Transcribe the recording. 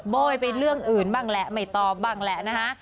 โบ้ยไปเรื่องอื่นบ้างแหละไม่ตอบบ้างแหละนะคะ